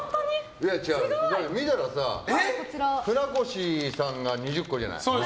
違う、見たらさ船越さんが２０個じゃない。